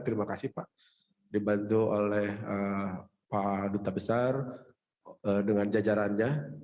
terima kasih pak dibantu oleh pak duta besar dengan jajarannya